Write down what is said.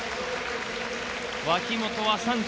脇本は３着。